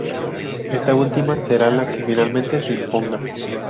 Esta última será la que finalmente se imponga.